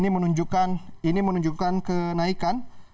ini menunjukkan kenaikan